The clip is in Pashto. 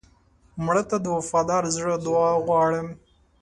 مړه ته د وفادار زړه دعا غواړو